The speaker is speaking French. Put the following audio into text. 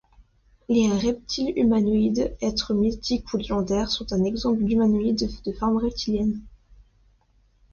Les reptiles humanoïdes, êtres mythiques ou légendaires, sont un exemple d'humanoïde de forme reptilienne.